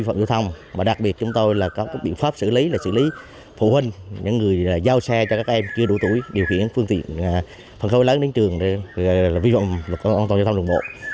phần khối lớn đến trường là vi phạm đồng thời gian đoạn vô dụng bộ